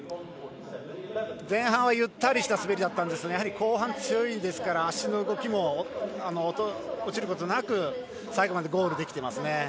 前半はゆったりした滑りでしたが後半強いですから足の動きも落ちることなく最後までゴールできていますね。